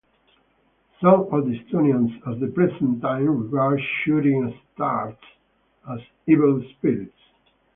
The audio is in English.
Some of the Estonians at the present time regard shooting stars as evil spirits.